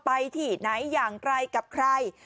ไปที่ไหนอย่างไรกับใคร